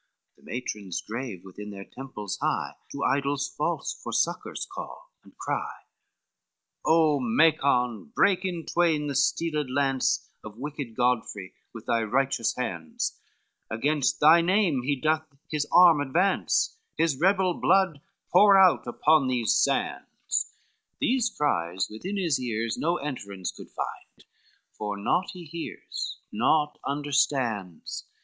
The matrons grave within their temples high To idols false for succors call and cry, XXX "O Macon, break in twain the steeled lance On wicked Godfrey with thy righteous hands, Against thy name he doth his arm advance, His rebel blood pour out upon these sands;" These cries within his ears no enterance Could find, for naught he hears, naught understands.